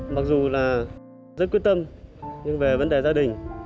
mặc dù là rất quyết tâm nhưng về vấn đề gia đình